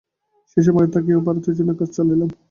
সেই সময় আমেরিকায় থাকিয়াও ভারতের জন্য কাজ চালাইলাম।